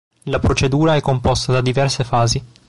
La procedura è composta da diverse fasi.